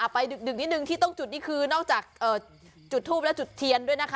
ดึกนิดนึงที่ต้องจุดนี่คือนอกจากจุดทูปและจุดเทียนด้วยนะคะ